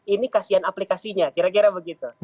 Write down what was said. ini kasihan aplikasinya kira kira begitu